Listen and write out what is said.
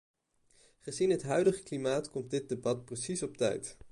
Gezien het huidige klimaat komt dit debat precies op tijd.